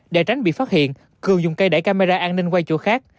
để tránh bị phát hiện cường dùng cây đẩy camera an ninh qua chỗ khác